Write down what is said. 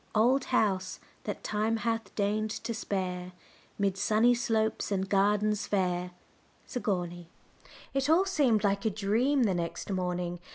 "Old house! that time hath deigned to spare, 'Mid sunny slopes and gardens fair." SIGOURNEY. It all seemed like a dream the next morning.